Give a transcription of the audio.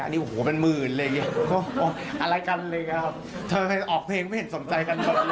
อันนี้โอ้โฮวมันหมื่นอะไรกันอะไรกันทีกว่าทำไมออกเพลงก็ไม่เห็นสมใจกัน